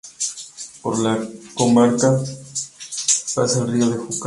Por la comarca pasa el río Júcar.